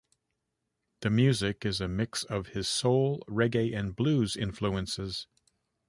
The music is a mix of his soul, reggae, and blues influences.